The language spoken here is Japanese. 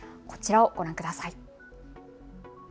こちらをご覧ください。